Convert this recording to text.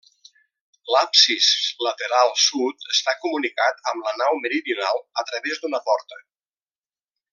L'absis lateral Sud està comunicat amb la nau meridional a través d'una porta.